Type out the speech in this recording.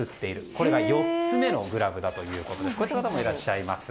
これが４つ目のグラブということでこういった方もいらっしゃいます。